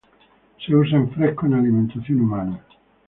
Se usa en fresco en alimentación humana.